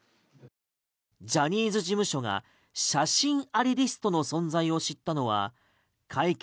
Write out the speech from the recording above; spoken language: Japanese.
ジャニーズ事務所が写真ありリストの存在を知ったのは会見